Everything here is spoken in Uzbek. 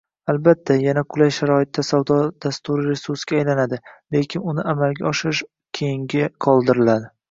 Albatta, yanada qulay sharoitda, savdo dasturi resursga aylanadi, lekin uni amalga oshirish keyinga qoldiriladi